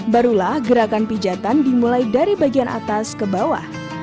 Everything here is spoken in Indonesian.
barulah gerakan pijatan dimulai dari bagian atas ke bawah